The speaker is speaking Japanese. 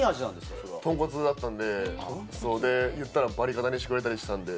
とんこつだったので、言ったらバリカタにしてくれたりしたんで。